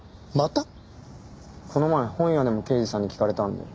この前本屋でも刑事さんに聞かれたんで。